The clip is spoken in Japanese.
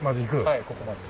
はいここまで。